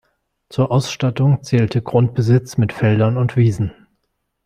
Zur Ausstattung zählte Grundbesitz mit Feldern und Wiesen.